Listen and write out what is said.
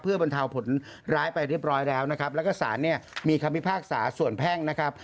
เพื่อบรรเทาผลร้ายไปเรียบร้อยแล้วนะครับแล้วก็สารเนี่ยมีคำพิพากษาส่วนแพ่งนะครับ